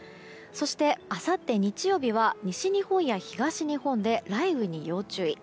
そしてあさって日曜日は西日本や東日本で雷雨に要注意。